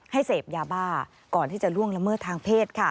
เสพยาบ้าก่อนที่จะล่วงละเมิดทางเพศ